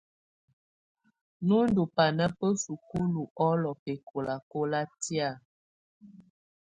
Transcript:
Nú ndù bana bà sukulu ɔlɔ bɛkɔlakɔla tɛ̀á.